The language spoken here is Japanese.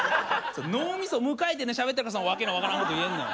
脳みそ無回転でしゃべってるからそんな訳の分からんこと言えんねん。